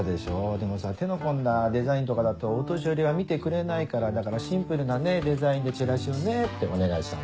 でもさ手の込んだデザインとかだとお年寄りは見てくれないからだからシンプルなデザインでチラシをねってお願いしたの。